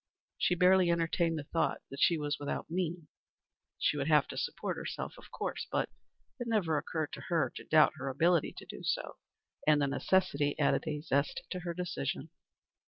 She barely entertained the thought that she was without means. She would have to support herself, of course, but it never occurred to her to doubt her ability to do so, and the necessity added a zest to her decision.